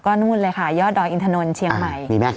นู่นเลยค่ะยอดดอยอินทนนท์เชียงใหม่